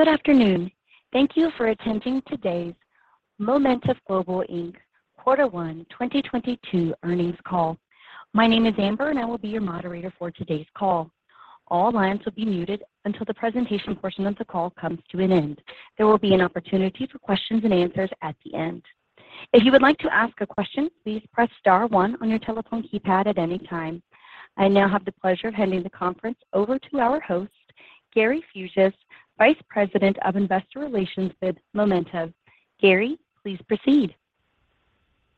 Good afternoon. Thank you for attending today's Momentive Global Inc. Quarter One 2022 earnings call. My name is Amber and I will be your moderator for today's call. All lines will be muted until the presentation portion of the call comes to an end. There will be an opportunity for questions and answers at the end. If you would like to ask a question, please press star one on your telephone keypad at any time. I now have the pleasure of handing the conference over to our host, Gary Fuges, Vice President of Investor Relations with Momentive. Gary, please proceed.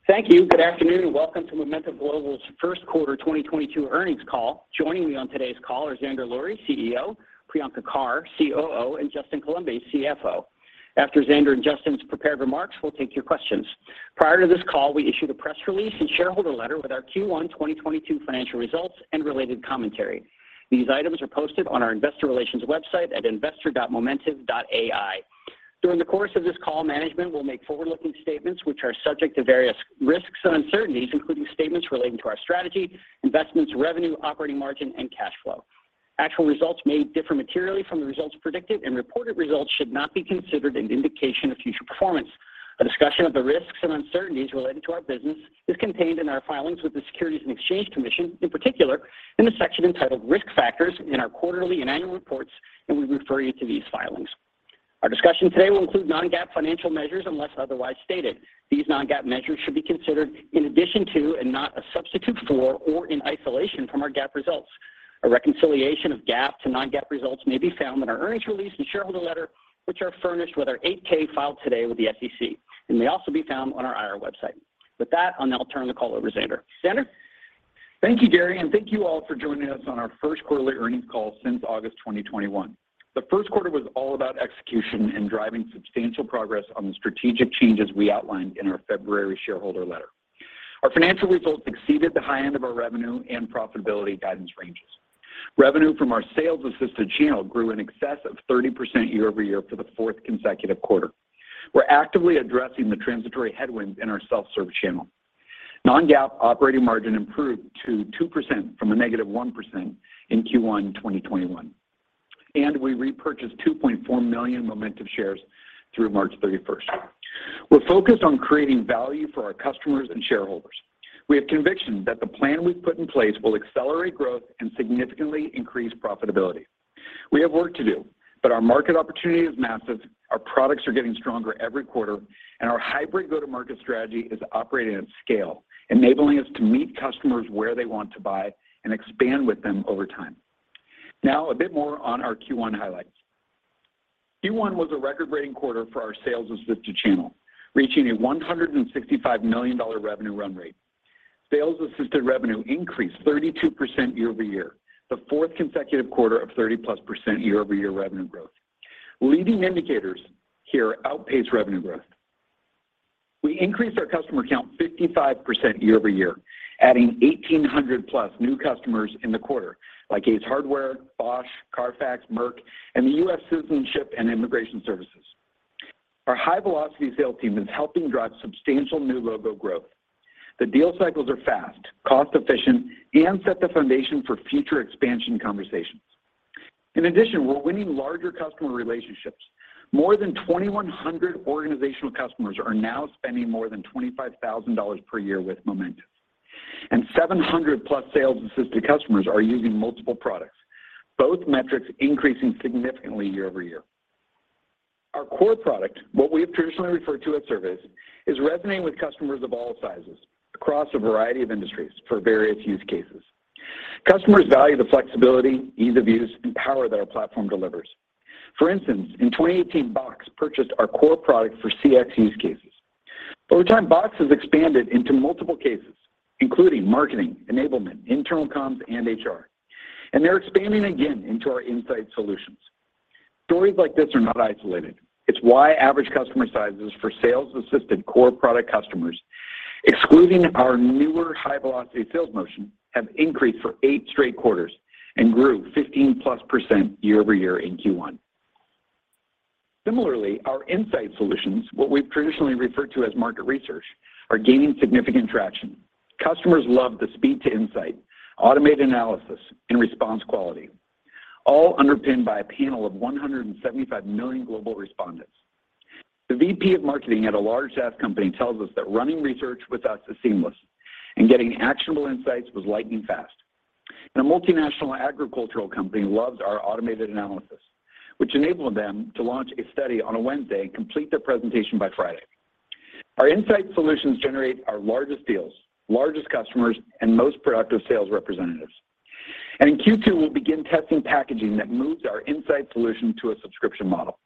Thank you. Good afternoon, and welcome to Momentive Global's first quarter 2022 earnings call. Joining me on today's call are Zander Lurie, CEO, Priyanka Carr, COO, and Justin Coulombe, CFO. After Zander and Justin's prepared remarks, we'll take your questions. Prior to this call, we issued a press release and shareholder letter with our Q1 2022 financial results and related commentary. These items are posted on our investor relations website at investor.momentive.ai. During the course of this call, management will make forward-looking statements which are subject to various risks and uncertainties, including statements relating to our strategy, investments, revenue, operating margin, and cash flow. Actual results may differ materially from the results predicted, and reported results should not be considered an indication of future performance. A discussion of the risks and uncertainties related to our business is contained in our filings with the Securities and Exchange Commission, in particular in the section entitled Risk Factors in our quarterly and annual reports, and we refer you to these filings. Our discussion today will include non-GAAP financial measures unless otherwise stated. These non-GAAP measures should be considered in addition to and not a substitute for or in isolation from our GAAP results. A reconciliation of GAAP to non-GAAP results may be found in our earnings release and shareholder letter, which are furnished with our Form 8-K filed today with the SEC, and may also be found on our IR website. With that, I'll now turn the call over to Zander. Zander? Thank you, Gary and thank you all for joining us on our first quarterly earnings call since August 2021. The first quarter was all about execution and driving substantial progress on the strategic changes we outlined in our February shareholder letter. Our financial results exceeded the high end of our revenue and profitability guidance ranges. Revenue from our sales assistant channel grew in excess of 30% year-over-year for the fourth consecutive quarter. We're actively addressing the transitory headwinds in our self-service channel. Non-GAAP operating margin improved to 2% from a negative 1% in Q1 2021, and we repurchased 2.4 million Momentive shares through March 31st. We're focused on creating value for our customers and shareholders. We have conviction that the plan we've put in place will accelerate growth and significantly increase profitability. We have work to do, but our market opportunity is massive, our products are getting stronger every quarter, and our hybrid go-to-market strategy is operating at scale, enabling us to meet customers where they want to buy and expand with them over time. Now a bit more on our Q1 highlights. Q1 was a record-breaking quarter for our sales assistant channel, reaching a $165 million revenue run rate. Sales assistant revenue increased 32% year-over-year, the fourth consecutive quarter of 30+% year-over-year revenue growth. Leading indicators here outpace revenue growth. We increased our customer count 55% year-over-year, adding 1,800+ new customers in the quarter, like Ace Hardware, Bosch, CARFAX, Merck, and the U.S. Citizenship and Immigration Services. Our high-velocity sales team is helping drive substantial new logo growth. The deal cycles are fast, cost efficient, and set the foundation for future expansion conversations. In addition, we're winning larger customer relationships. More than 2,100 organizational customers are now spending more than $25,000 per year with Momentive and 700+ sales assistant customers are using multiple products, both metrics increasing significantly year-over-year. Our core product, what we have traditionally referred to as surveys, is resonating with customers of all sizes across a variety of industries for various use cases. Customers value the flexibility, ease of use, and power that our platform delivers. For instance, in 2018, Box purchased our core product for CX use cases. Over time, Box has expanded into multiple cases, including marketing, enablement, internal comms, and HR, and they're expanding again into our insight solutions. Stories like this are not isolated. It's why average customer sizes for sales assistant core product customers, excluding our newer high-velocity sales motion, have increased for eight straight quarters and grew 15+% year-over-year in Q1. Similarly, our insight solutions, what we've traditionally referred to as market research, are gaining significant traction. Customers love the speed to insight, automated analysis, and response quality, all underpinned by a panel of 175 million global respondents. The VP of marketing at a large SaaS company tells us that running research with us is seamless, and getting actionable insights was lightning fast. A multinational agricultural company loves our automated analysis, which enabled them to launch a study on a Wednesday and complete their presentation by Friday. Our insight solutions generate our largest deals, largest customers, and most productive sales representatives. In Q2, we'll begin testing packaging that moves our insight solution to a subscription model.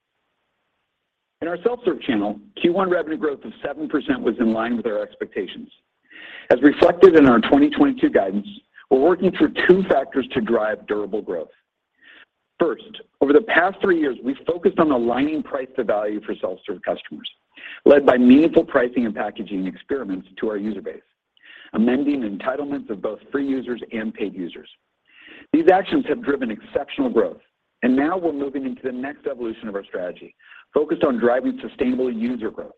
In our self-serve channel, Q1 revenue growth of 7% was in line with our expectations. As reflected in our 2022 guidance, we're working through two factors to drive durable growth. First, over the past three years, we've focused on aligning price to value for self-serve customers, led by meaningful pricing and packaging experiments to our user base, amending entitlements of both free users and paid users. These actions have driven exceptional growth, and now we're moving into the next evolution of our strategy, focused on driving sustainable user growth.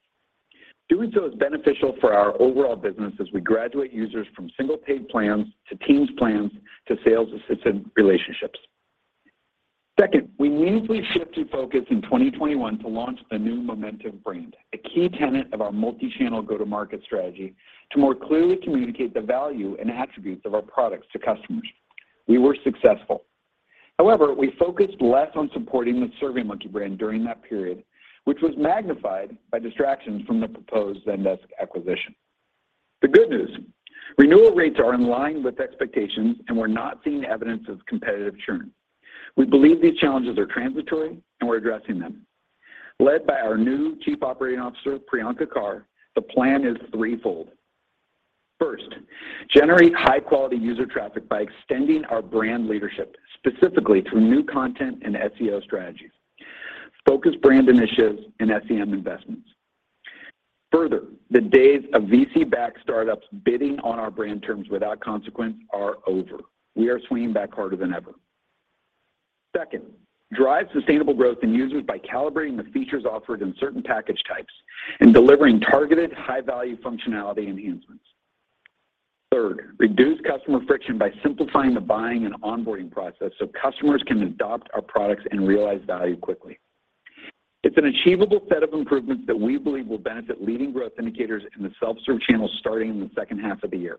Doing so is beneficial for our overall business as we graduate users from single-paid plans to teams plans to sales assistant relationships. Second, we meaningfully shifted focus in 2021 to launch the new Momentive brand, a key tenet of our multi-channel go-to-market strategy to more clearly communicate the value and attributes of our products to customers. We were successful. However, we focused less on supporting the SurveyMonkey brand during that period, which was magnified by distractions from the proposed Zendesk acquisition. The good news, renewal rates are in line with expectations and we're not seeing evidence of competitive churn. We believe these challenges are transitory, and we're addressing them. Led by our new Chief Operating Officer, Priyanka Carr, the plan is threefold. First, generate high-quality user traffic by extending our brand leadership, specifically through new content and SEO strategies, focus brand initiatives and SEM investments. Further, the days of VC-backed startups bidding on our brand terms without consequence are over. We are swinging back harder than ever. Second, drive sustainable growth in users by calibrating the features offered in certain package types and delivering targeted high-value functionality enhancements. Third, reduce customer friction by simplifying the buying and onboarding process so customers can adopt our products and realize value quickly. It's an achievable set of improvements that we believe will benefit leading growth indicators in the self-serve channel starting in the second half of the year.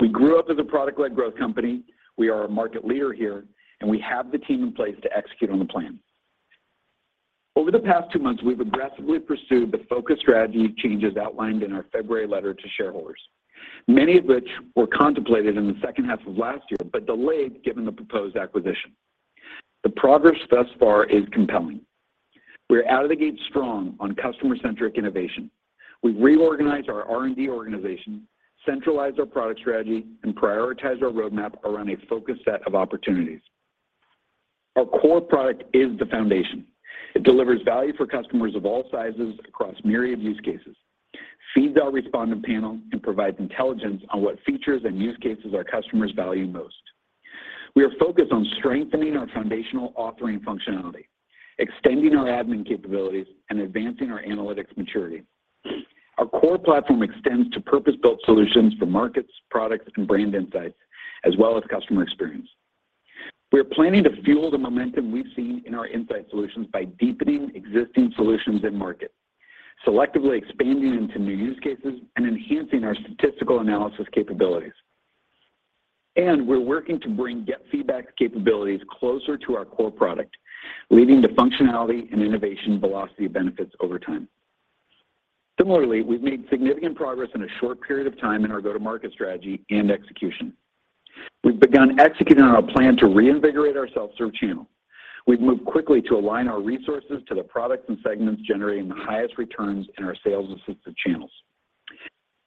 We grew up as a product-led growth company. We are a market leader here, and we have the team in place to execute on the plan. Over the past two months, we've aggressively pursued the focused strategy changes outlined in our February letter to shareholders, many of which were contemplated in the second half of last year but delayed given the proposed acquisition. The progress thus far is compelling. We're out of the gate strong on customer-centric innovation. We've reorganized our R&D organization, centralized our product strategy, and prioritized our roadmap around a focused set of opportunities. Our core product is the foundation. It delivers value for customers of all sizes across myriad use cases, feeds our respondent panel, and provides intelligence on what features and use cases our customers value most. We are focused on strengthening our foundational authoring functionality, extending our admin capabilities, and advancing our analytics maturity. Our core platform extends to purpose-built solutions for markets, products, and brand insights, as well as customer experience. We are planning to fuel the momentum we've seen in our insight solutions by deepening existing solutions in market, selectively expanding into new use cases, and enhancing our statistical analysis capabilities. We're working to bring GetFeedback's capabilities closer to our core product, leading to functionality and innovation velocity benefits over time. Similarly, we've made significant progress in a short period of time in our go-to-market strategy and execution. We've begun executing on our plan to reinvigorate our self-serve channel. We've moved quickly to align our resources to the products and segments generating the highest returns in our sales-assisted channels.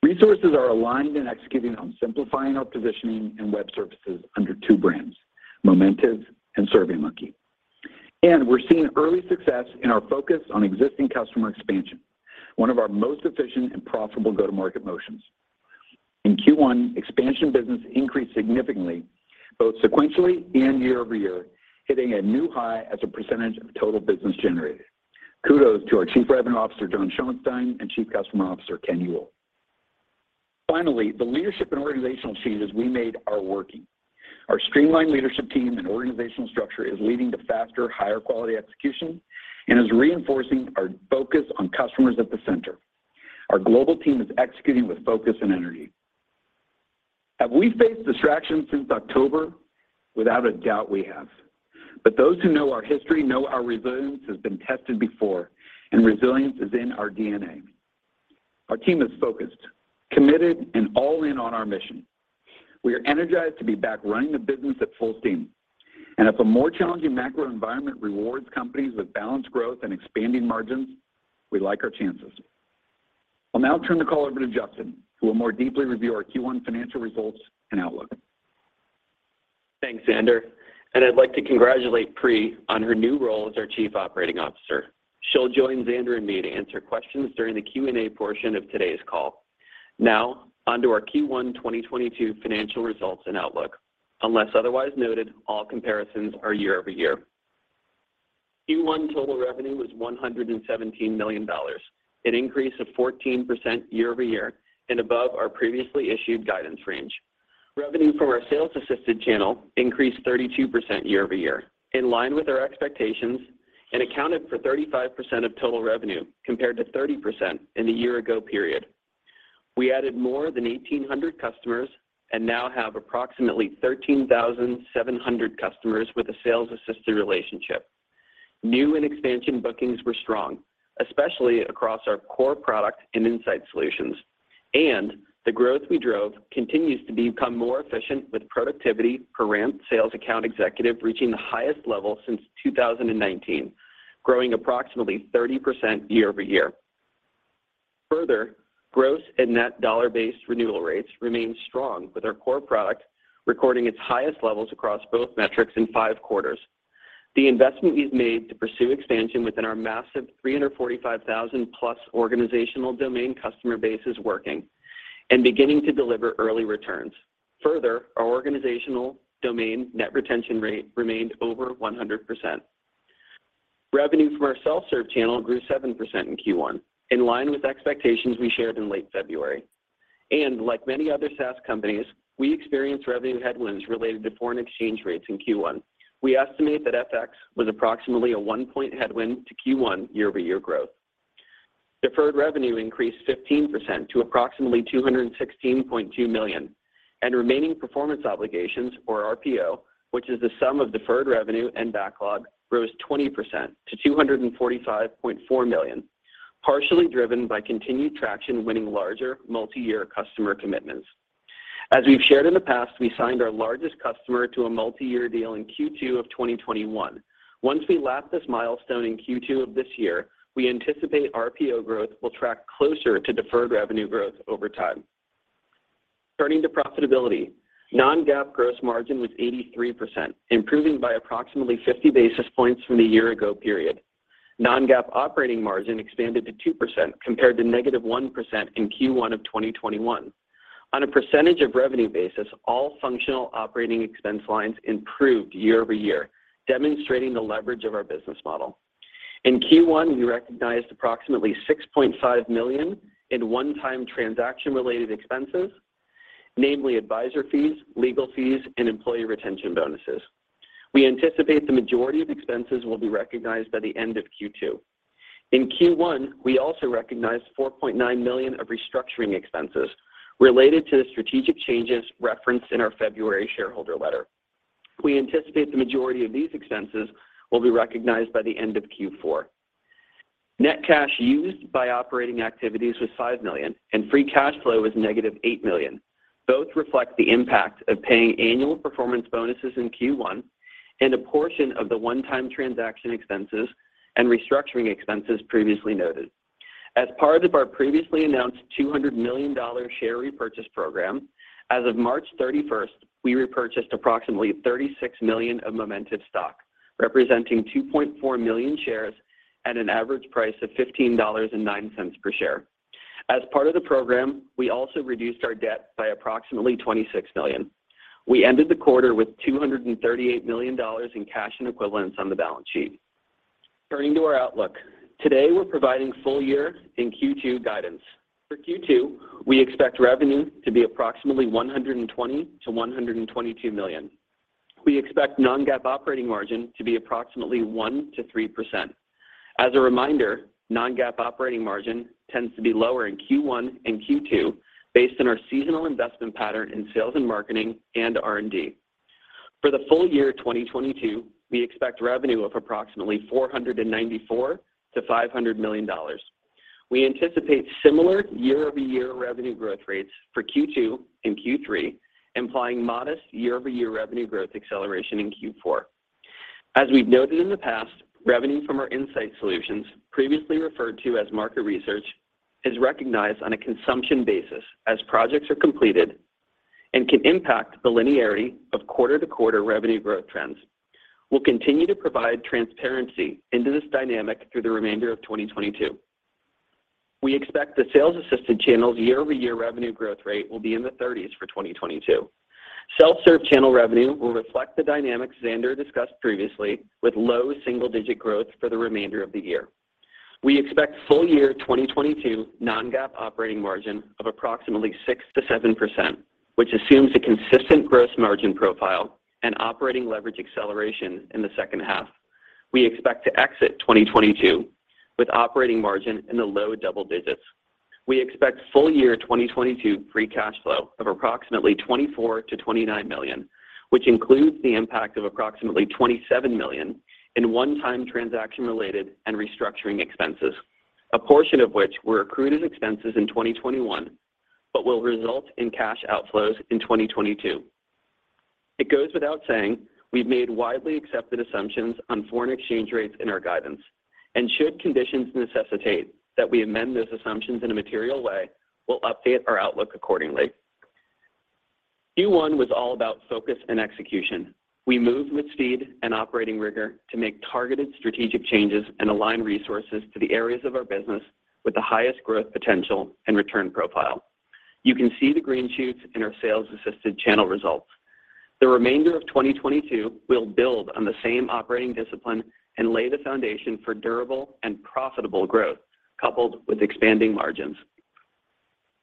Resources are aligned and executing on simplifying our positioning and web services under two brands, Momentive and SurveyMonkey. We're seeing early success in our focus on existing customer expansion, one of our most efficient and profitable go-to-market motions. In Q1, expansion business increased significantly, both sequentially and year over year, hitting a new high as a percentage of total business generated. Kudos to our Chief Revenue Officer, John Schoenstein, and Chief Customer Officer, Ken Ewell. Finally, the leadership and organizational changes we made are working. Our streamlined leadership team and organizational structure is leading to faster, higher quality execution and is reinforcing our focus on customers at the center. Our global team is executing with focus and energy. Have we faced distractions since October? Without a doubt, we have. Those who know our history know our resilience has been tested before, and resilience is in our DNA. Our team is focused, committed, and all in on our mission. We are energized to be back running the business at full steam. If a more challenging macro environment rewards companies with balanced growth and expanding margins, we like our chances. I'll now turn the call over to Justin, who will more deeply review our Q1 financial results and outlook. Thanks, Zander. I'd like to congratulate Pri on her new role as our Chief Operating Officer. She'll join Zander and me to answer questions during the Q&A portion of today's call. Now, on to our Q1 2022 financial results and outlook. Unless otherwise noted, all comparisons are year-over-year. Q1 total revenue was $117 million, an increase of 14% year-over-year and above our previously issued guidance range. Revenue from our sales-assisted channel increased 32% year-over-year, in line with our expectations and accounted for 35% of total revenue compared to 30% in the year-ago period. We added more than 1,800 customers and now have approximately 13,700 customers with a sales-assisted relationship. New and expansion bookings were strong, especially across our core product and insight solutions, and the growth we drove continues to become more efficient with productivity per ramp sales account executive reaching the highest level since 2019, growing approximately 30% year-over-year. Further, gross and net dollar-based renewal rates remain strong, with our core product recording its highest levels across both metrics in five quarters. The investment we've made to pursue expansion within our massive 345,000-plus organizational domain customer base is working and beginning to deliver early returns. Further, our organizational domain net retention rate remained over 100%. Revenue from our self-serve channel grew 7% in Q1, in line with expectations we shared in late February. Like many other SaaS companies, we experienced revenue headwinds related to foreign exchange rates in Q1. We estimate that FX was approximately a one-point headwind to Q1 year-over-year growth. Deferred revenue increased 15% to approximately $216.2 million, and remaining performance obligations or RPO, which is the sum of deferred revenue and backlog, rose 20% to $245.4 million, partially driven by continued traction winning larger multi-year customer commitments. We've shared in the past, we signed our largest customer to a multi-year deal in Q2 of 2021. Once we lap this milestone in Q2 of this year, we anticipate RPO growth will track closer to deferred revenue growth over time. Turning to profitability, non-GAAP gross margin was 83%, improving by approximately 50 basis points from the year ago period. Non-GAAP operating margin expanded to 2% compared to -1% in Q1 of 2021. On a percentage of revenue basis, all functional operating expense lines improved year-over-year, demonstrating the leverage of our business model. In Q1, we recognized approximately $6.5 million in one-time transaction related expenses, namely advisor fees, legal fees, and employee retention bonuses. We anticipate the majority of expenses will be recognized by the end of Q2. In Q1, we also recognized $4.9 million of restructuring expenses related to the strategic changes referenced in our February shareholder letter. We anticipate the majority of these expenses will be recognized by the end of Q4. Net cash used by operating activities was $5 million, and free cash flow was -$8 million. Both reflect the impact of paying annual performance bonuses in Q1 and a portion of the one-time transaction expenses and restructuring expenses previously noted. As part of our previously announced $200 million share repurchase program, as of March 31, we repurchased approximately $36 million of Momentive stock, representing 2.4 million shares at an average price of $15.09 per share. As part of the program, we also reduced our debt by approximately $26 million. We ended the quarter with $238 million in cash and equivalents on the balance sheet. Turning to our outlook, today we're providing full-year and Q2 guidance. For Q2, we expect revenue to be approximately $120 million-$122 million. We expect non-GAAP operating margin to be approximately 1%-3%. As a reminder, non-GAAP operating margin tends to be lower in Q1 and Q2 based on our seasonal investment pattern in sales and marketing and R&D. For the full year 2022, we expect revenue of approximately $494 million-$500 million. We anticipate similar year-over-year revenue growth rates for Q2 and Q3, implying modest year-over-year revenue growth acceleration in Q4. As we've noted in the past, revenue from our insight solutions, previously referred to as market research, is recognized on a consumption basis as projects are completed and can impact the linearity of quarter-to-quarter revenue growth trends. We'll continue to provide transparency into this dynamic through the remainder of 2022. We expect the sales-assisted channel's year-over-year revenue growth rate will be in the 30s for 2022. Self-serve channel revenue will reflect the dynamics Zander discussed previously with low single-digit growth for the remainder of the year. We expect full year 2022 non-GAAP operating margin of approximately 6%-7%, which assumes a consistent gross margin profile and operating leverage acceleration in the second half. We expect to exit 2022 with operating margin in the low double digits. We expect full year 2022 free cash flow of approximately $24 million-$29 million, which includes the impact of approximately $27 million in one-time transaction related and restructuring expenses, a portion of which were accrued as expenses in 2021, but will result in cash outflows in 2022. It goes without saying we've made widely accepted assumptions on foreign exchange rates in our guidance, and should conditions necessitate that we amend those assumptions in a material way, we'll update our outlook accordingly. Q1 was all about focus and execution. We moved with speed and operating rigor to make targeted strategic changes and align resources to the areas of our business with the highest growth potential and return profile. You can see the green shoots in our sales assistant channel results. The remainder of 2022 will build on the same operating discipline and lay the foundation for durable and profitable growth coupled with expanding margins.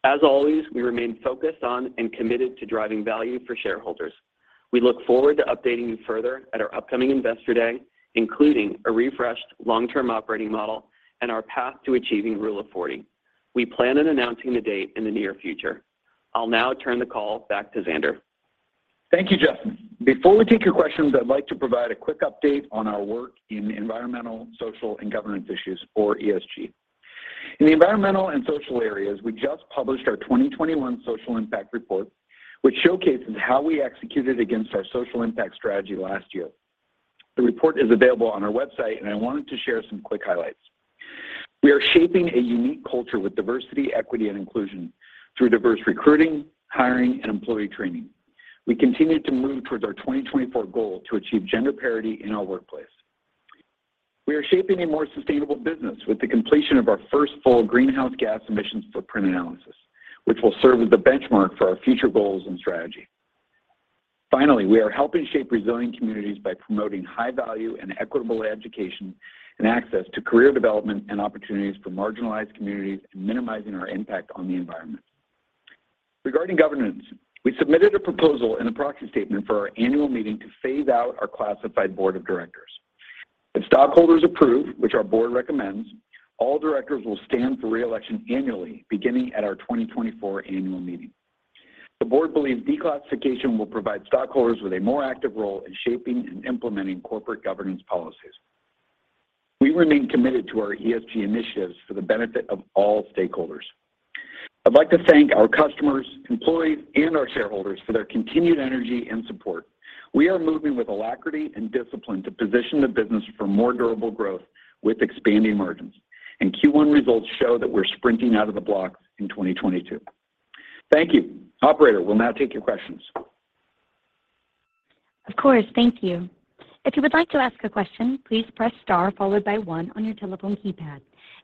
As always, we remain focused on and committed to driving value for shareholders. We look forward to updating you further at our upcoming Investor Day, including a refreshed long-term operating model and our path to achieving Rule of 40. We plan on announcing the date in the near future. I'll now turn the call back to Zander. Thank you, Justin. Before we take your questions, I'd like to provide a quick update on our work in environmental, social, and governance issues or ESG. In the environmental and social areas, we just published our 2021 Social Impact Report, which showcases how we executed against our social impact strategy last year. The report is available on our website, and I wanted to share some quick highlights. We are shaping a unique culture with diversity, equity, and inclusion through diverse recruiting, hiring, and employee training. We continue to move towards our 2024 goal to achieve gender parity in our workplace. We are shaping a more sustainable business with the completion of our first full greenhouse gas emissions footprint analysis, which will serve as the benchmark for our future goals and strategy. Finally, we are helping shape resilient communities by promoting high value and equitable education and access to career development and opportunities for marginalized communities and minimizing our impact on the environment. Regarding governance, we submitted a proposal and a proxy statement for our annual meeting to phase out our classified board of directors. If stockholders approve, which our board recommends, all directors will stand for re-election annually, beginning at our 2024 annual meeting. The board believes declassification will provide stockholders with a more active role in shaping and implementing corporate governance policies. We remain committed to our ESG initiatives for the benefit of all stakeholders. I'd like to thank our customers, employees, and our shareholders for their continued energy and support. We are moving with alacrity and discipline to position the business for more durable growth with expanding margins, and Q1 results show that we're sprinting out of the blocks in 2022. Thank you. Operator, we'll now take your questions. Of course. Thank you. If you would like to ask a question, please press star followed by one on your telephone keypad.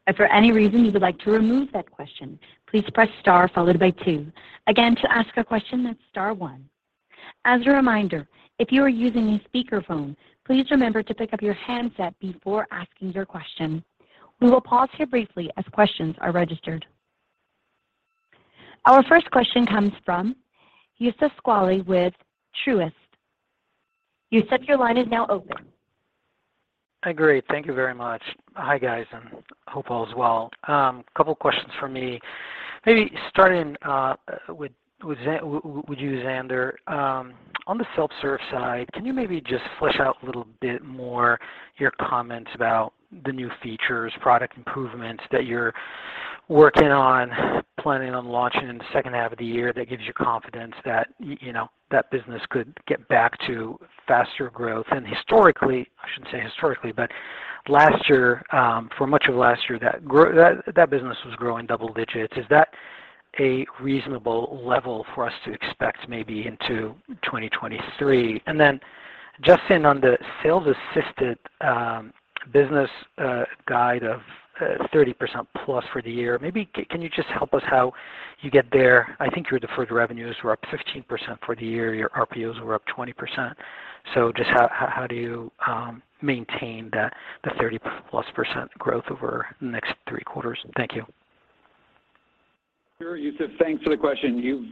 If for any reason you would like to remove that question, please press star followed by two. Again, to ask a question, that's star one. As a reminder, if you are using a speakerphone, please remember to pick up your handset before asking your question. We will pause here briefly as questions are registered. Our first question comes from Youssef Squali with Truist. Youssef, your line is now open. Great. Thank you very much. Hi, guys, and hope all is well. Couple questions for me. Maybe starting with you, Zander. On the self-serve side, can you maybe just flesh out a little bit more your comments about the new features, product improvements that you're working on, planning on launching in the second half of the year that gives you confidence that you know, that business could get back to faster growth? And historically, I shouldn't say historically but last year, for much of last year, that business was growing double digits. Is that a reasonable level for us to expect maybe into 2023? And then just on the sales-assisted business, guide of 30% plus for the year, maybe can you just help us how you get there? I think your deferred revenues were up 15% for the year. Your RPOs were up 20%. Just how do you maintain that, the 30+% growth over next three quarters? Thank you. Sure, Youssef. Thanks for the question. You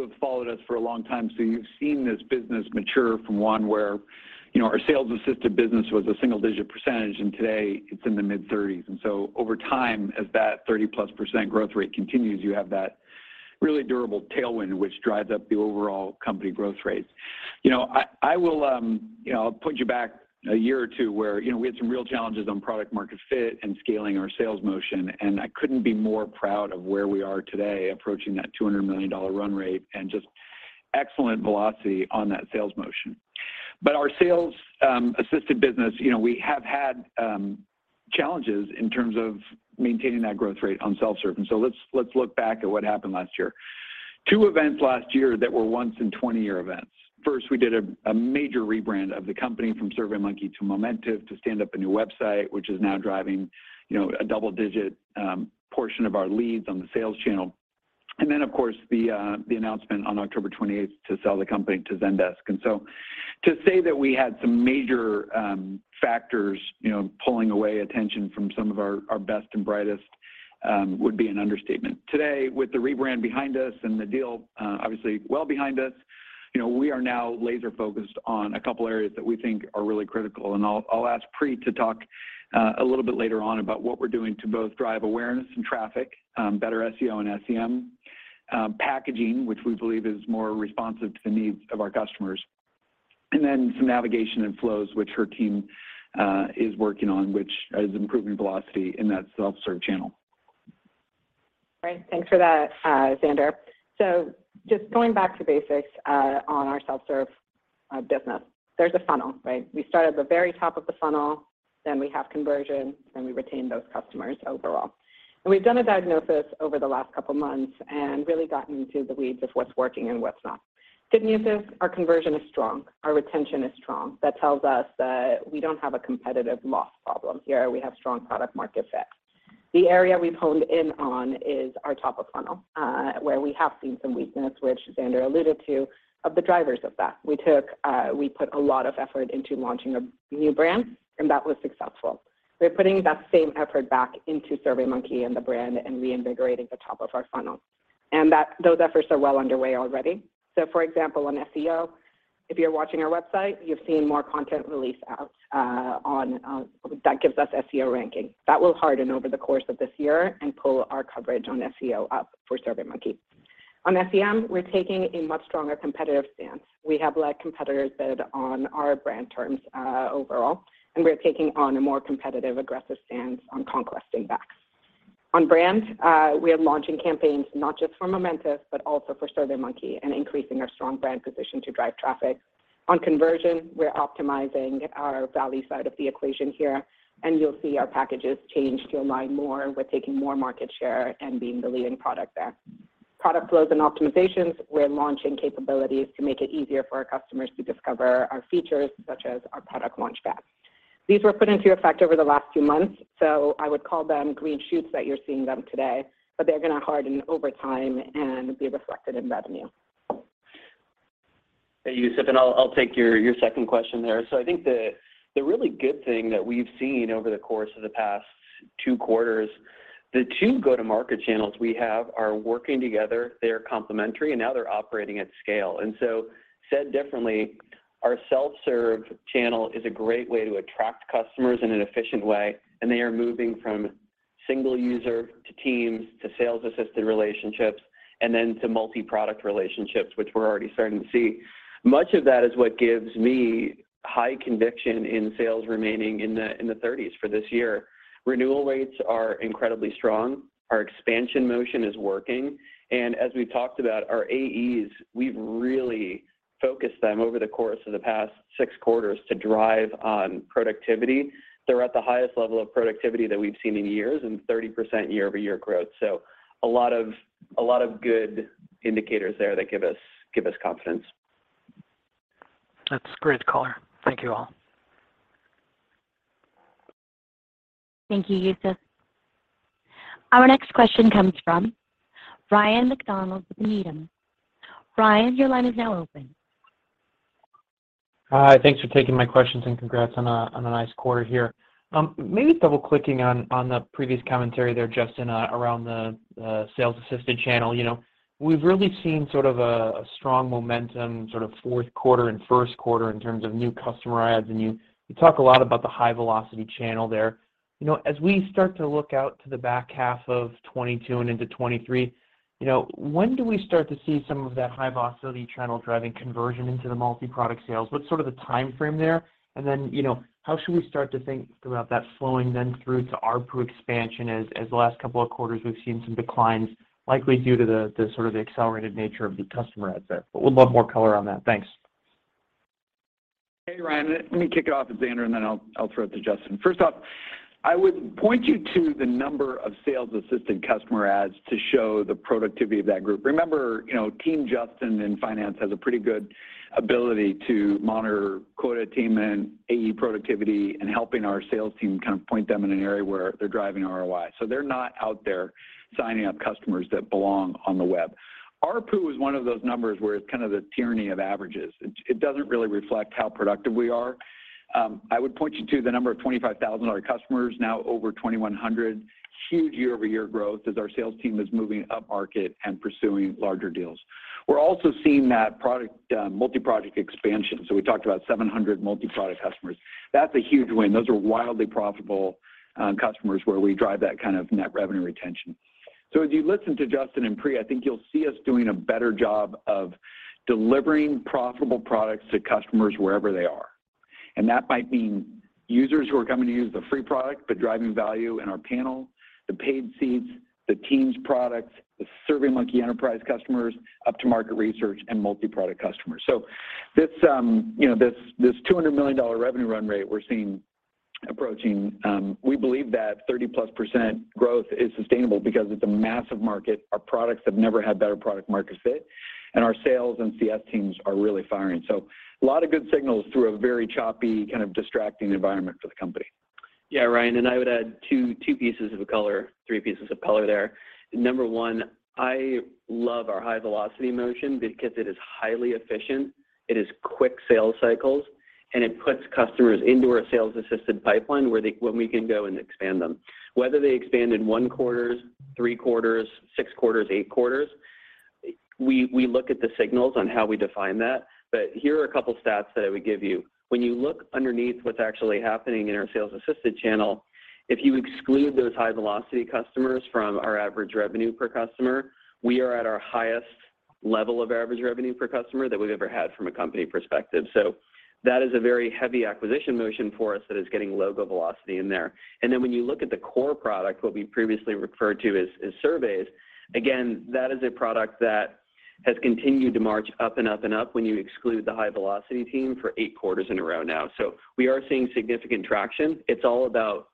have followed us for a long time, so you have seen this business mature from one where our sales-assisted business was a single-digit percent, and today it's in the mid-30s%. Over time, as that 30+% growth rate continues, you have that really durable tailwind which drives up the overall company growth rates. You know, I will, you know, I'll put you back a year or two where, you know, we had some real challenges on product market fit and scaling our sales motion, and I couldn't be more proud of where we are today, approaching that $200 million run rate and just excellent velocity on that sales motion. Our sales assisted business, you know, we have had challenges in terms of maintaining that growth rate on self-serve. Let's look back at what happened last year. Two events last year that were once-in-20-year events. First, we did a major rebrand of the company from SurveyMonkey to Momentive to stand up a new website, which is now driving, you know, a double-digit portion of our leads on the sales channel. Of course, the announcement on October 28th to sell the company to Zendesk. To say that we had some major factors, you know, pulling away attention from some of our best and brightest, would be an understatement. Today, with the rebrand behind us and the deal, obviously well behind us, you know, we are now laser-focused on a couple areas that we think are really critical. I'll ask Priyanka to talk a little bit later on about what we're doing to both drive awareness and traffic, better SEO and SEM, packaging, which we believe is more responsive to the needs of our customers, and then some navigation and flows, which her team is working on, which is improving velocity in that self-serve channel. Great. Thanks for that, Zander. So just going back to basics on our self-serve business. There's a funnel, right? We start at the very top of the funnel, then we have conversion, then we retain those customers overall. We've done a diagnosis over the last couple months and really gotten into the weeds of what's working and what's not. Good news is our conversion is strong. Our retention is strong. That tells us that we don't have a competitive loss problem here. We have strong product market fit. The area we've honed in on is our top of funnel where we have seen some weakness, which Zander alluded to, of the drivers of that. We put a lot of effort into launching a new brand, and that was successful. We're putting that same effort back into SurveyMonkey and the brand and reinvigorating the top of our funnel, and that those efforts are well underway already. For example, on SEO, if you're watching our website, you've seen more content release out, on, that gives us SEO ranking. That will harden over the course of this year and pull our coverage on SEO up for SurveyMonkey. On SEM, we're taking a much stronger competitive stance. We have let competitors bid on our brand terms, overall, and we're taking on a more competitive, aggressive stance on conquesting bids. On brand, we are launching campaigns not just for Momentive, but also for SurveyMonkey and increasing our strong brand position to drive traffic. On conversion, we're optimizing our value side of the equation here, and you'll see our packages change to align more with taking more market share and being the leading product there. Product flows and optimizations, we're launching capabilities to make it easier for our customers to discover our features, such as our product launch pad. These were put into effect over the last few months, so I would call them green shoots that you're seeing them today, but they're gonna harden over time and be reflected in revenue. Hey, Youssef, I'll take your second question there. I think the really good thing that we've seen over the course of the past two quarters, the two go-to-market channels we have are working together, they are complementary, and now they're operating at scale. Said differently, our self-serve channel is a great way to attract customers in an efficient way, and they are moving from single user to teams to sales-assisted relationships, and then to multi-product relationships, which we're already starting to see. Much of that is what gives me high conviction in sales remaining in the thirties for this year. Renewal rates are incredibly strong. Our expansion motion is working, and as we've talked about our AEs, we've really focused them over the course of the past six quarters to drive productivity. They're at the highest level of productivity that we've seen in years and 30% year-over-year growth. A lot of good indicators there that give us confidence. That's great color. Thank you all. Thank you, Youssef. Our next question comes from Ryan MacDonald with Needham. Ryan, your line is now open. Hi. Thanks for taking my questions and congrats on a nice quarter here. Maybe double clicking on the previous commentary there, Justin, around the sales assisted channel. You know, we've really seen sort of a strong momentum sort of fourth quarter and first quarter in terms of new customer adds and you talk a lot about the high velocity channel there. You know, as we start to look out to the back half of 2022 and into 2023, you know, when do we start to see some of that high velocity channel driving conversion into the multi-product sales? What's sort of the timeframe there? You know, how should we start to think about that flowing then through to ARPU expansion as the last couple of quarters we've seen some declines likely due to the sort of accelerated nature of the customer adds there. Would love more color on that. Thanks. Hey Ryan, let me kick it off. It's Zander, and then I'll throw it to Justin. First off, I would point you to the number of sales assistant customer adds to show the productivity of that group. Remember, you know, team Justin and finance has a pretty good ability to monitor quota attainment, AE productivity, and helping our sales team kind of point them in an area where they're driving ROI. They're not out there signing up customers that belong on the web. ARPU is one of those numbers where it's kind of the tyranny of averages. It doesn't really reflect how productive we are. I would point you to the number of $25,000 customers now over 2,100. Huge year-over-year growth as our sales team is moving up market and pursuing larger deals. We're also seeing that product, multi-product expansion. We talked about 700 multi-product customers. That's a huge win. Those are wildly profitable customers where we drive that kind of net revenue retention. As you listen to Justin and Pri, I think you'll see us doing a better job of delivering profitable products to customers wherever they are. That might mean users who are coming to use the free product, but driving value in our panel, the paid seats, the teams products, the SurveyMonkey enterprise customers, up to market research and multi-product customers. This, you know, this $200 million revenue run rate we're seeing approaching, we believe that 30+% growth is sustainable because it's a massive market. Our products have never had better product market fit, and our sales and CS teams are really firing. A lot of good signals through a very choppy, kind of distracting environment for the company. Yeah, Ryan. I would add two pieces of color, three pieces of color there. Number one, I love our high velocity motion because it is highly efficient, it is quick sales cycles, and it puts customers into our sales assisted pipeline where they, when we can go and expand them. Whether they expand in one quarter, three quarters, six quarters, eight quarters, we look at the signals on how we define that. Here are a couple stats that I would give you. When you look underneath what's actually happening in our sales assisted channel, if you exclude those high velocity customers from our average revenue per customer, we are at our highest level of average revenue per customer that we've ever had from a company perspective. That is a very heavy acquisition motion for us that is getting logo velocity in there. Then when you look at the core product, what we previously referred to as surveys, again, that is a product that has continued to march up and up and up when you exclude the high velocity team for eight quarters in a row now. We are seeing significant traction. It's all about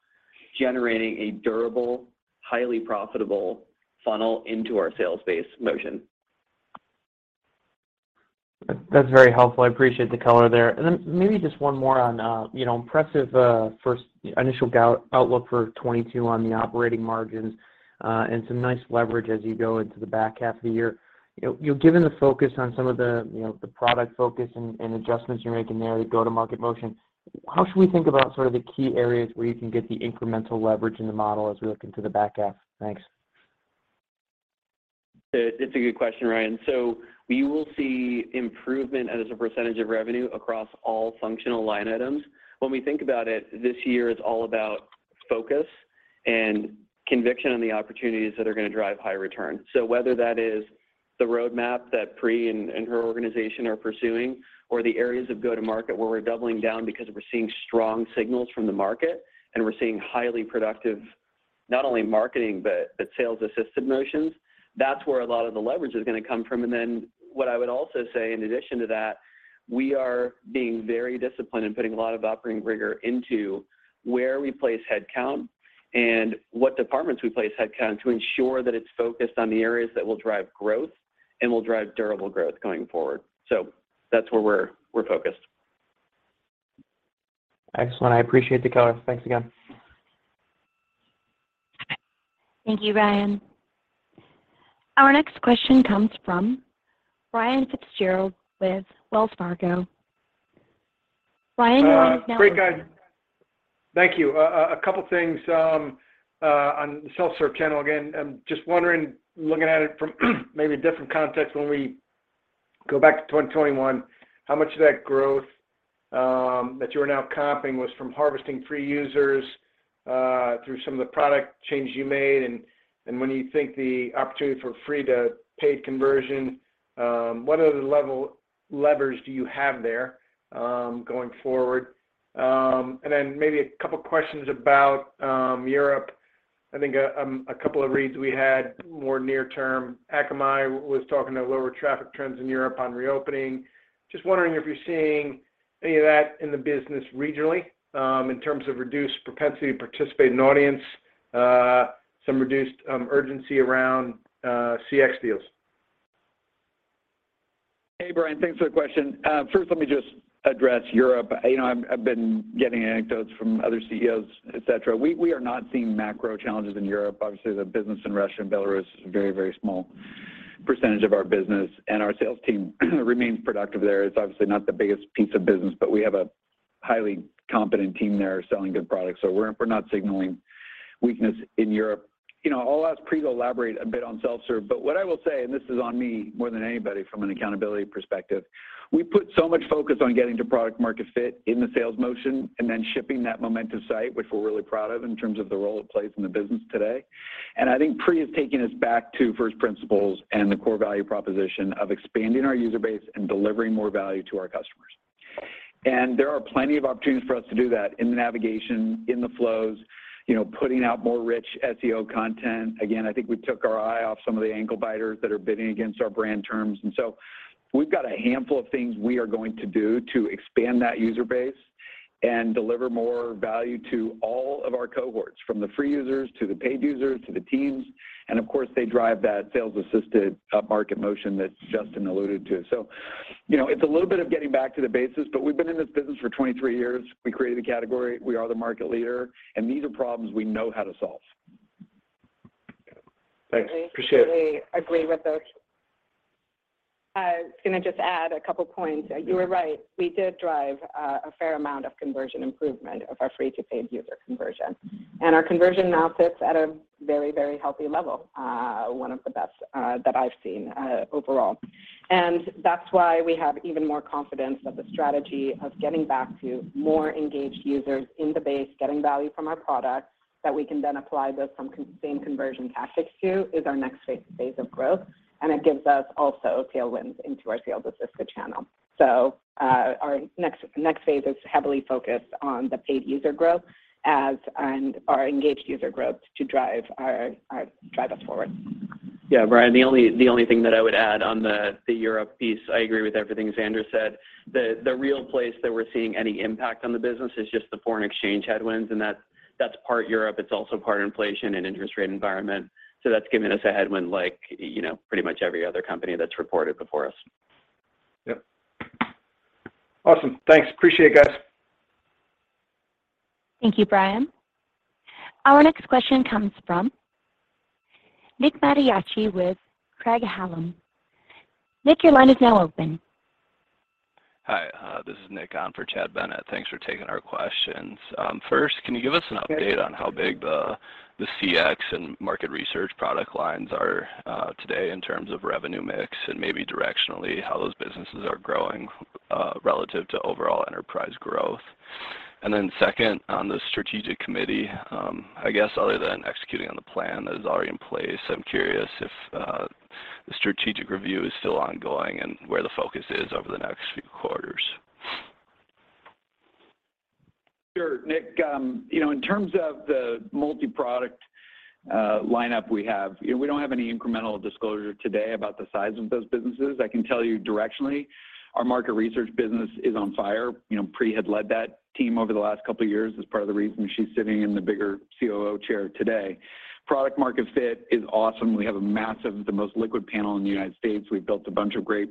generating a durable, highly profitable funnel into our sales base motion. That's very helpful. I appreciate the color there. Maybe just one more on, you know, impressive first initial outlook for 2022 on the operating margins, and some nice leverage as you go into the back half of the year. You know, given the focus on some of the, you know, the product focus and adjustments you're making there, the go-to-market motion. How should we think about sort of the key areas where you can get the incremental leverage in the model as we look into the back half? Thanks. It's a good question, Ryan. We will see improvement as a percentage of revenue across all functional line items. When we think about it, this year is all about focus and conviction on the opportunities that are gonna drive high return. Whether that is the roadmap that Pri and her organization are pursuing or the areas of go to market where we're doubling down because we're seeing strong signals from the market and we're seeing highly productive, not only marketing, but sales assisted motions, that's where a lot of the leverage is gonna come from. What I would also say in addition to that, we are being very disciplined in putting a lot of operating rigor into where we place headcount and what departments we place headcount to ensure that it's focused on the areas that will drive growth. Will drive durable growth going forward. That's where we're focused. Excellent. I appreciate the color. Thanks again. Thank you, Ryan. Our next question comes from Brian Fitzgerald with Wells Fargo. Brian, your line is now open. Great, guys. Thank you. A couple things on the self-serve channel again. I'm just wondering, looking at it from maybe a different context, when we go back to 2021, how much of that growth that you are now comping was from harvesting free users through some of the product changes you made, and when you think the opportunity for free-to-paid conversion, what other levers do you have there, going forward? Then maybe a couple questions about Europe. I think a couple of reads we had more near term, Akamai was talking to lower traffic trends in Europe on reopening. Just wondering if you're seeing any of that in the business regionally in terms of reduced propensity to participate in audience, some reduced urgency around CX deals. Hey, Brian, thanks for the question. First let me just address Europe. You know, I've been getting anecdotes from other CEOs, et cetera. We are not seeing macro challenges in Europe. Obviously, the business in Russia and Belarus is a very small percentage of our business, and our sales team remains productive there. It's obviously not the biggest piece of business, but we have a highly competent team there selling good products. We're not signaling weakness in Europe. You know, I'll ask Pri to elaborate a bit on self-serve, but what I will say, and this is on me more than anybody from an accountability perspective, we put so much focus on getting to product market fit in the sales motion and then shipping that Momentive site, which we're really proud of in terms of the role it plays in the business today. I think Pri is taking us back to first principles and the core value proposition of expanding our user base and delivering more value to our customers. There are plenty of opportunities for us to do that in the navigation, in the flows, you know, putting out more rich SEO content. Again, I think we took our eye off some of the ankle biters that are bidding against our brand terms. We've got a handful of things we are going to do to expand that user base and deliver more value to all of our cohorts, from the free users to the paid users to the teams. Of course, they drive that sales-assisted up-market motion that Justin alluded to. You know, it's a little bit of getting back to the basics, but we've been in this business for 23 years. We created the category. We are the market leader, and these are problems we know how to solve. Thanks. Appreciate it. I completely agree with those. I was gonna just add a couple points. You were right, we did drive a fair amount of conversion improvement of our free-to-paid user conversion. Our conversion now sits at a very, very healthy level, one of the best that I've seen overall. That's why we have even more confidence that the strategy of getting back to more engaged users in the base, getting value from our products, that we can then apply those same conversion tactics to is our next phase of growth. It gives us also tailwinds into our sales assistant channel. Our next phase is heavily focused on the paid user growth, and our engaged user growth to drive us forward. Yeah. Brian, the only thing that I would add on the Europe piece, I agree with everything Zander said. The real place that we're seeing any impact on the business is just the foreign exchange headwinds, and that's part Europe. It's also part inflation and interest rate environment. That's given us a headwind like, you know, pretty much every other company that's reported before us. Yep. Awesome. Thanks. Appreciate it, guys. Thank you, Brian. Our next question comes from Nick Mariachi with Craig-Hallum. Nick, your line is now open. Hi. This is Nick on for Chad Bennett. Thanks for taking our questions. First, can you give us an update on how big the CX and market research product lines are, today in terms of revenue mix and maybe directionally how those businesses are growing, relative to overall enterprise growth? Second, on the strategic committee, I guess other than executing on the plan that is already in place, I'm curious if the strategic review is still ongoing and where the focus is over the next few quarters. Sure, Nick. You know, in terms of the multi-product lineup we have, you know, we don't have any incremental disclosure today about the size of those businesses. I can tell you directionally, our market research business is on fire. You know, Pri had led that team over the last couple years, is part of the reason she's sitting in the bigger COO chair today. Product market fit is awesome. We have the most liquid panel in the United States. We've built a bunch of great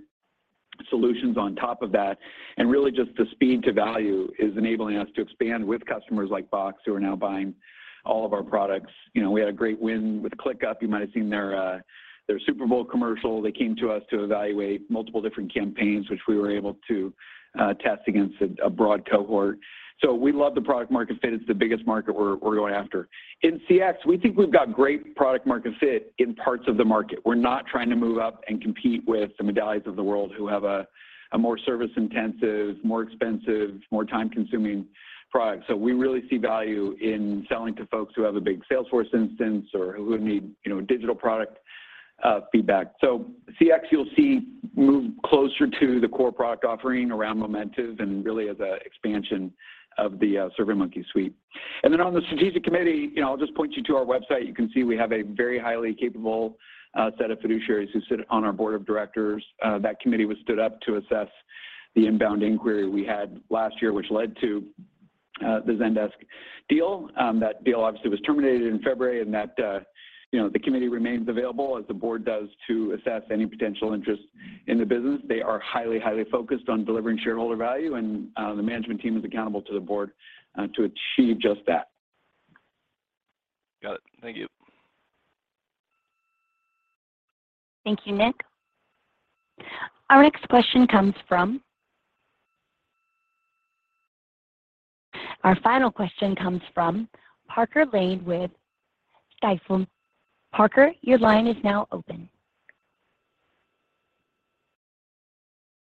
solutions on top of that. Really just the speed to value is enabling us to expand with customers like Box, who are now buying all of our products. You know, we had a great win with ClickUp. You might've seen their Super Bowl commercial. They came to us to evaluate multiple different campaigns, which we were able to test against a broad cohort. We love the product market fit. It's the biggest market we're going after. In CX, we think we've got great product market fit in parts of the market. We're not trying to move up and compete with the Medallias of the world who have a more service-intensive, more expensive, more time-consuming product. We really see value in selling to folks who have a big Salesforce instance or who need, you know, digital product feedback. CX, you'll see move closer to the core product offering around Momentive and really as a expansion of the SurveyMonkey suite. On the strategic committee, you know, I'll just point you to our website. You can see we have a very highly capable set of fiduciaries who sit on our board of directors. That committee was stood up to assess the inbound inquiry we had last year, which led to the Zendesk deal. That deal obviously was terminated in February and that, you know, the committee remains available as the board does to assess any potential interest in the business. They are highly focused on delivering shareholder value, and the management team is accountable to the board to achieve just that. Got it. Thank you. Thank you, Nick. Our final question comes from Parker Lane with Stifel. Parker, your line is now open.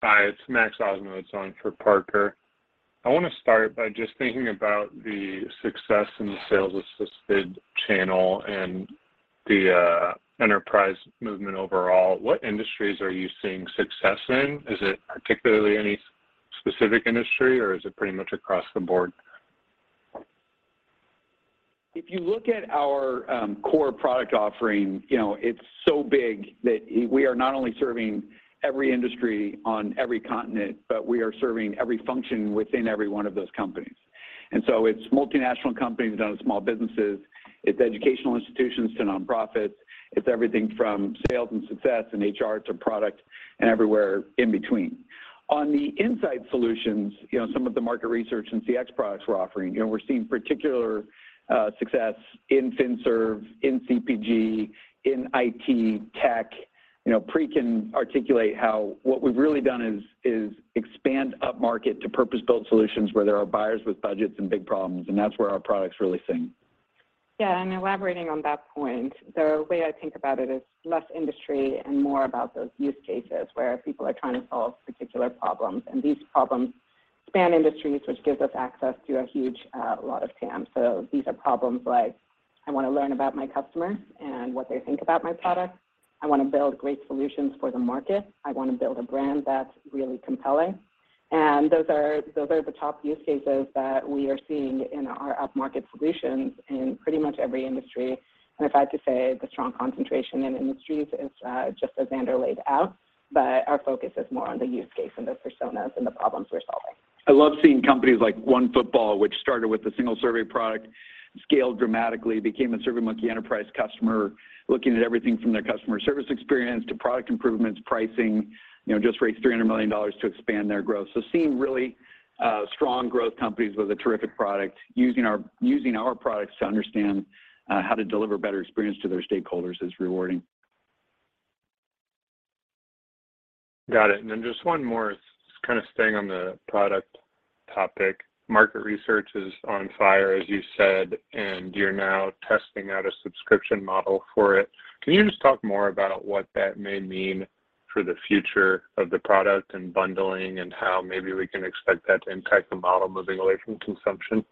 Hi, it's Matthew Kikkert on for Parker. I wanna start by just thinking about the success in the sales assisted channel and the enterprise movement overall. What industries are you seeing success in? Is it particularly any specific industry or is it pretty much across the board? If you look at our core product offering, you know, it's so big that we are not only serving every industry on every continent, but we are serving every function within every one of those companies. It's multinational companies down to small businesses, it's educational institutions to nonprofits. It's everything from sales and success and HR to product and everywhere in between. On the insight solutions, you know, some of the market research and CX products we're offering, you know, we're seeing particular success in finserv, in CPG, in IT, tech. You know, Pri can articulate how what we've really done is expand upmarket to purpose-built solutions where there are buyers with budgets and big problems, and that's where our products really sing. Yeah, elaborating on that point, the way I think about it is less industry and more about those use cases where people are trying to solve particular problems. These problems span industries, which gives us access to a huge lot of TAM. These are problems like I wanna learn about my customer and what they think about my product. I wanna build great solutions for the market. I wanna build a brand that's really compelling. Those are the top use cases that we are seeing in our upmarket solutions in pretty much every industry. If I had to say the strong concentration in industries is just as Zander laid out, but our focus is more on the use case and the personas and the problems we're solving. I love seeing companies like OneFootball, which started with a single survey product, scaled dramatically, became a SurveyMonkey enterprise customer looking at everything from their customer service experience to product improvements, pricing, you know, just raised $300 million to expand their growth. Seeing really, strong growth companies with a terrific product using our products to understand, how to deliver better experience to their stakeholders is rewarding. Got it. Just one more, kind of staying on the product topic. Market research is on fire, as you said, and you're now testing out a subscription model for it. Can you just talk more about what that may mean for the future of the product and bundling and how maybe we can expect that to impact the model moving away from consumption?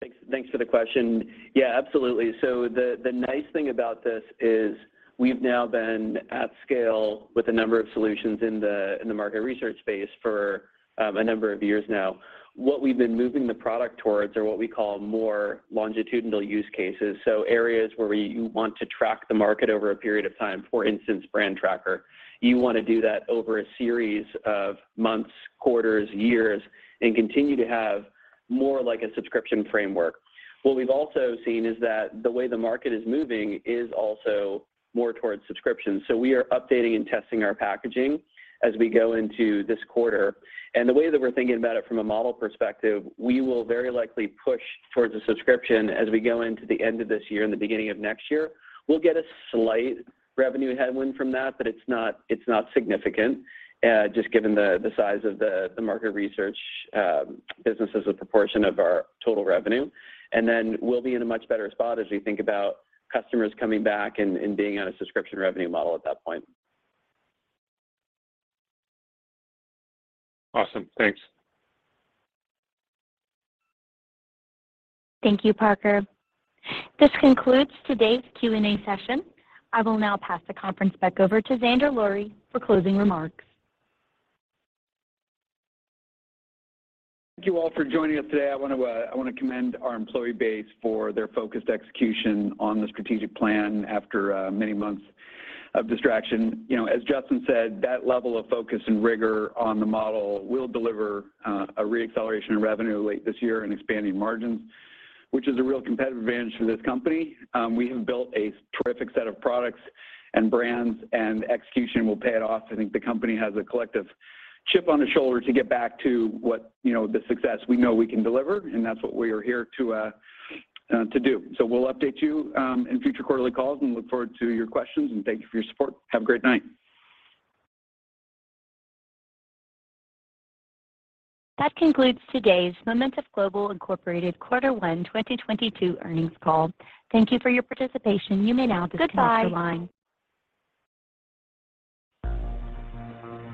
Thanks, thanks for the question. Yeah, absolutely. The nice thing about this is we've now been at scale with a number of solutions in the market research space for a number of years now. What we've been moving the product towards are what we call more longitudinal use cases. Areas where we want to track the market over a period of time, for instance, brand tracker. You wanna do that over a series of months, quarters, years, and continue to have more like a subscription framework. What we've also seen is that the way the market is moving is also more towards subscriptions. We are updating and testing our packaging as we go into this quarter. The way that we're thinking about it from a model perspective, we will very likely push towards a subscription as we go into the end of this year and the beginning of next year. We'll get a slight revenue headwind from that, but it's not significant, just given the size of the market research business as a proportion of our total revenue. Then we'll be in a much better spot as we think about customers coming back and being on a subscription revenue model at that point. Awesome. Thanks. Thank you, Parker. This concludes today's Q&A session. I will now pass the conference back over to Zander Lurie for closing remarks. Thank you all for joining us today. I wanna commend our employee base for their focused execution on the strategic plan after many months of distraction. You know, as Justin said, that level of focus and rigor on the model will deliver a re-acceleration of revenue late this year and expanding margins, which is a real competitive advantage for this company. We have built a terrific set of products and brands and execution will pay it off. I think the company has a collective chip on the shoulder to get back to what, you know, the success we know we can deliver, and that's what we are here to do. We'll update you in future quarterly calls and look forward to your questions and thank you for your support. Have a great night. That concludes today's Momentive Global Incorporated quarter one 2022 earnings call. Thank you for your participation. You may now disconnect your line. Goodbye.